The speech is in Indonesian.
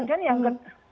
kemudian yang ke